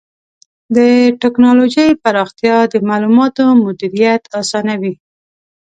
د ټکنالوجۍ پراختیا د معلوماتو مدیریت آسانوي.